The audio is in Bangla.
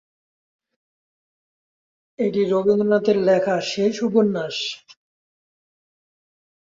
এটি রবীন্দ্রনাথের লেখা শেষ উপন্যাস।